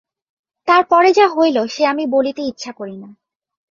তার পরে যা হইল সে আমি বলিতে ইচ্ছা করি না।